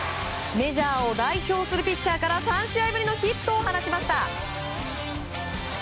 メジャーを代表するピッチャーから３試合ぶりのヒットを放ちました。